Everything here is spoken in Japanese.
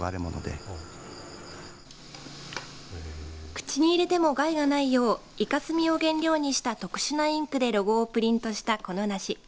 口に入れても害がないようイカスミを原料にした特殊なインクでロゴをプリントしたこの梨。